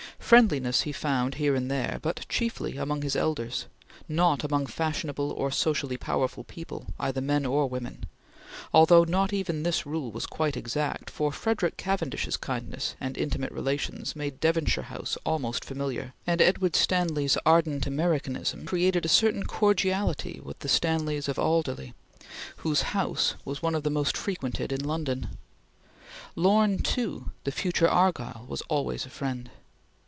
Friendliness he found here and there, but chiefly among his elders; not among fashionable or socially powerful people, either men or women; although not even this rule was quite exact, for Frederick Cavendish's kindness and intimate relations made Devonshire House almost familiar, and Lyulph Stanley's ardent Americanism created a certain cordiality with the Stanleys of Alderley whose house was one of the most frequented in London. Lorne, too, the future Argyll, was always a friend.